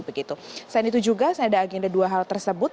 selain itu juga ada agenda dua hal tersebut